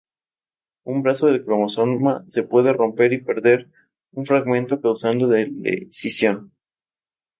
Un brazo del cromosoma se puede romper y perder un fragmento, causando deleción.